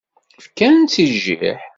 Fkant-tt i jjiḥ.